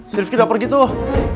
serius kita pergi tuh